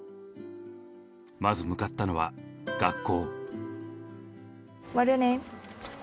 まず向かったのは学校。